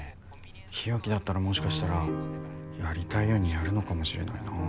日置だったらもしかしたらやりたいようにやるのかもしれないな。